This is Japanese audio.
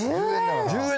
１０円！？